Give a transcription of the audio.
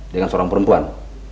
dengan seorang perempuan